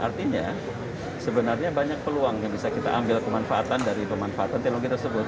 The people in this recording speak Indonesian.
artinya sebenarnya banyak peluang yang bisa kita ambil kemanfaatan dari pemanfaatan teknologi tersebut